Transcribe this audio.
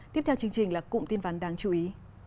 tiếp theo chương trình là cụm tin ván đáng chú ý